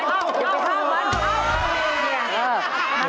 อ้าวเอาไหม